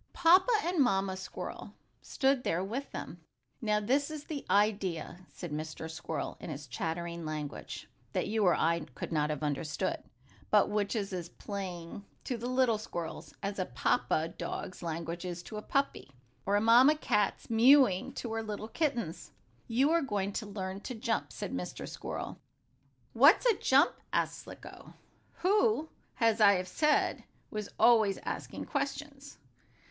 Papa and Mamma Squirrel stood there with them. "Now this is the idea," said Mr. Squirrel, in his chattering language, that you or I could not have understood, but which was as plain to the little squirrels, as a papa dog's language is to a puppy, or a mamma cat's mewing to her little kittens. "You are all going to learn to jump," said Mr. Squirrel. "What's a jump?" asked Slicko, who, as I have said, was always asking questions.